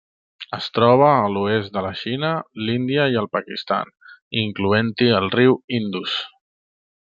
Es troba a l'oest de la Xina, l'Índia i el Pakistan, incloent-hi el riu Indus.